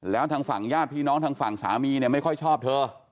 แล้วทางฝั่งญาติพี่น้องทางฝั่งสามีเนี่ยไม่ค่อยชอบเธอ